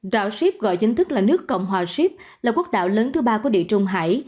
đạo ship gọi chính thức là nước cộng hòa ship là quốc đạo lớn thứ ba của địa trung hải